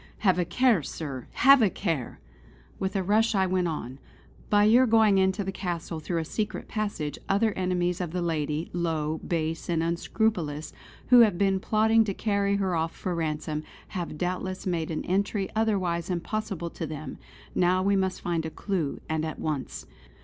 Have a care, sir! Have a care!" With a rush I went on: "By your going into the castle through a secret passage, other enemies of the lady, low, base and unscrupulous who have been plotting to carry her off for ransom, have doubtless made an entry otherwise impossible to them. Now we must find a clue, and at once.